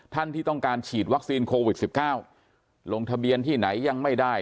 ที่ต้องการฉีดวัคซีนโควิด๑๙ลงทะเบียนที่ไหนยังไม่ได้